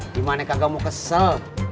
gimana kak gak mau kesel